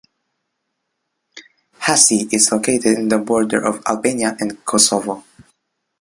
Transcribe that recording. Hasi is located in the border of Albania and Kosovo.